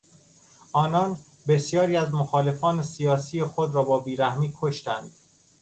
آنان بسیاری از مخالفان سیاسی خود را با بیرحمی کشتند.